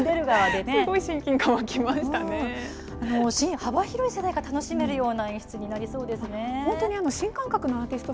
幅広い世代が楽しめるような演出になりそうですね。